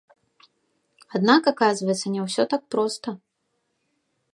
Аднак, аказваецца, не ўсё так проста.